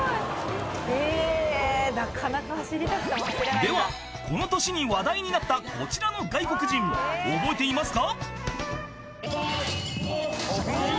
［ではこの年に話題になったこちらの外国人覚えていますか？］